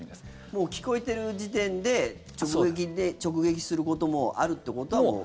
もう聞こえてる時点で直撃することもあるってことはもう。